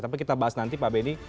tapi kita bahas nanti pak benny